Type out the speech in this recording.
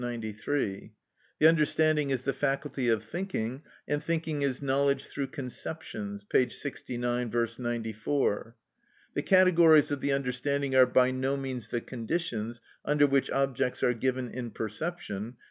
93); the understanding is the faculty of thinking, and thinking is knowledge through conceptions (p. 69; V. 94); the categories of the understanding are by no means the conditions under which objects are given in perception (p.